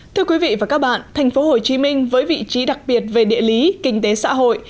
thưa quý vị và các bạn thành phố hồ chí minh với vị trí đặc biệt về địa lý kinh tế xã hội